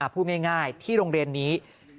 พูดง่ายที่โรงเรียนนี้